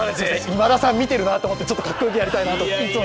今田さん、見てるなと思って、ちょっとかっこよくやりたいなと。